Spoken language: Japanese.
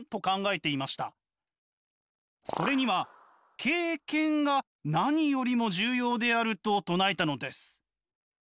それには「経験」が何よりも重要であると唱えたのです。